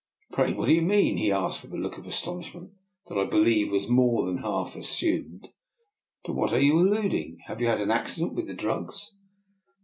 " Pray what do you mean? " he asked, with a look of astonishment that I believe was more than half assumed. " To what are you alluding? Have you had an accident with the drugs?